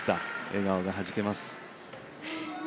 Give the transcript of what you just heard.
笑顔がはじけます。